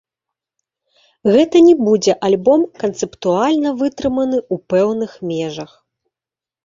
Гэта не будзе альбом канцэптуальна вытрыманы ў пэўных межах.